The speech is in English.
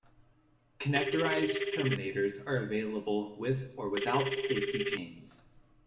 Connectorized terminators are available with or without safety chains.